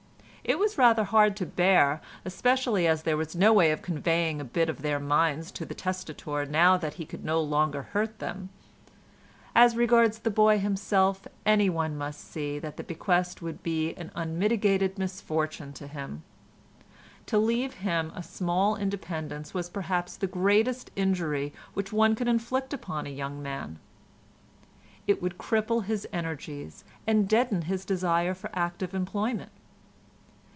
It was rather hard to bear, especially as there was no way of conveying a bit of their minds to the testator now that he could no longer hurt them. As regards the boy himself anyone must see that the bequest would be an unmitigated misfortune to him. To leave him a small independence was perhaps the greatest injury which one could inflict upon a young man. It would cripple his energies, and deaden his desire for active employment.